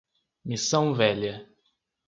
Missão Velha